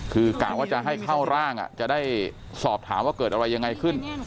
คือกะว่าจะให้เข้าร่างจะได้สอบถามว่าเกิดอะไรยังไงขึ้น